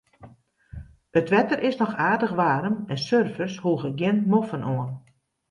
It wetter is noch aardich waarm en surfers hoege gjin moffen oan.